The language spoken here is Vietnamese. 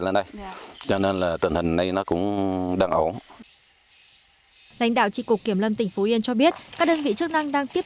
các đơn vị chức năng đang tiếp tục kiểm lâm tỉnh phú yên